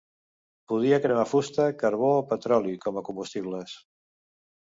Podia cremar fusta, carbó o petroli com a combustibles.